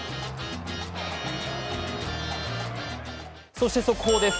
そして速報です。